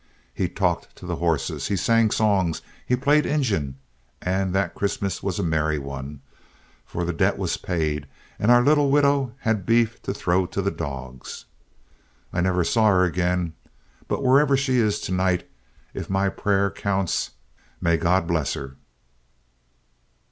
He talked to the horses; he sang songs; he played Injun; and that Christmas was a merry one, for the debt was paid and our little widow had beef to throw to the dogs. I never saw her again, but wherever she is to night, if my prayer counts, may God bless her!"